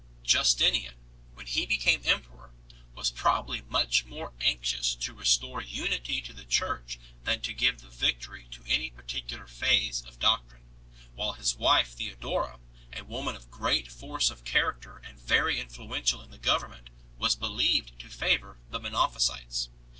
Justinian, when he became emperor, was probably much more anxious to restore unity to the Church than to give the victory to any particular phase of doctrine; while his wife Theodora, a woman of great force of character and very influential in the government, was believed to favour the Monophysites.